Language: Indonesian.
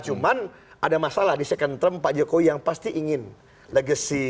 cuman ada masalah di second term pak jokowi yang pasti ingin legacy